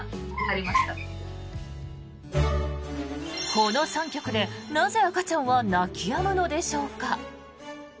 この３曲でなぜ、赤ちゃんは泣きやむのでしょうか。